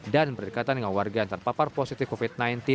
dan berdekatan dengan warga yang terpapar positif covid sembilan belas